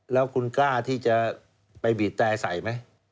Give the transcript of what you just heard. แล้วคุณกล้าที่จะไปบีบแต่ใส่ไหม